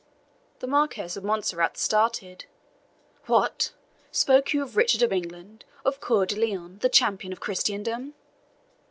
The Marquis of Montserrat started. "What! spoke you of Richard of England of Coeur de Lion the champion of Christendom?"